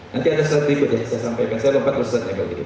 nanti ada serat berikutnya yang saya sampaikan saya lompat lompat ya